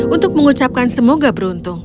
untuk mengucapkan semoga beruntung